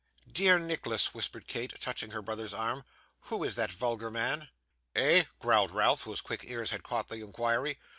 'Dear Nicholas,' whispered Kate, touching her brother's arm, 'who is that vulgar man?' 'Eh!' growled Ralph, whose quick ears had caught the inquiry.